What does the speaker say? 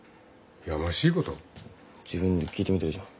自分で聞いてみたらいいじゃん。